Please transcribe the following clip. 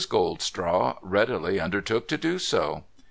Goldstraw readily undertook to do so.